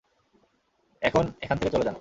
এখন এখান থেকে চলে যান।